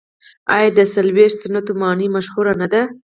آیا د څلوېښت ستنو ماڼۍ مشهوره نه ده؟